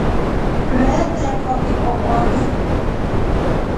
Veeteko vibobori.